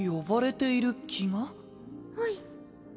はい。